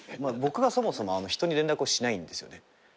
僕がそもそも人に連絡をしないんですよね。